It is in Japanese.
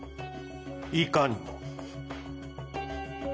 いかにも。